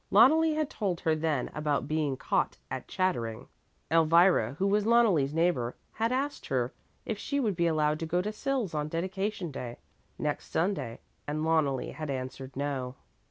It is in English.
Loneli had told her then about being caught at chattering. Elvira, who was Loneli's neighbor, had asked her if she would be allowed to go to Sils on dedication day, next Sunday, and Loneli had answered no.